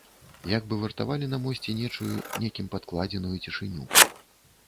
Як бы вартавалі на мосце нечую, некім падкладзеную цішыню.